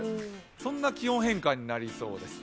そんな気温変化になりそうです。